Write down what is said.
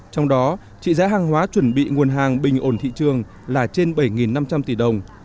trong đó trị giá hàng hóa chuẩn bị nguồn hàng bình ổn thị trường là trên bảy năm trăm linh tỷ đồng